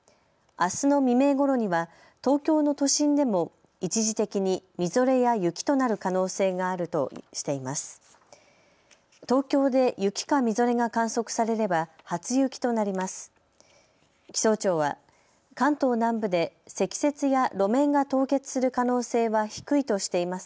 あすの未明ごろには東京の都心でも一時的にみぞれや雪となる可能性があるとしています。